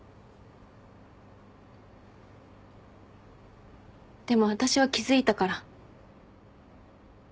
でも私は気付いたから。